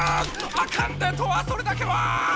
あかんでトアそれだけは！